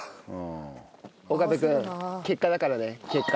岡部君結果だからね結果。